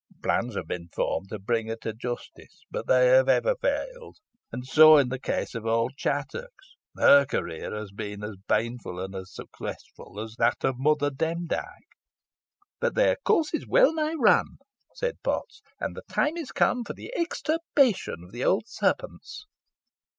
Plans have been formed to bring her to justice, but they have ever failed. And so in the case of old Chattox. Her career has been as baneful and as successful as that of Mother Demdike." "But their course is wellnigh run," said Potts, "and the time is come for the extirpation of the old serpents."